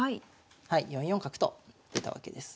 はい４四角と出たわけです。